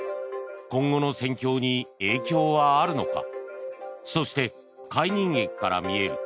今後の戦況に影響はあるのか。